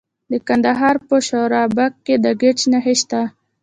د کندهار په شورابک کې د ګچ نښې شته.